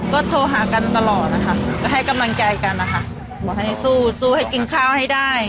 ก็โทรหากันตลอดนะคะก็ให้กำลังใจกันนะคะบอกให้สู้สู้ให้กินข้าวให้ได้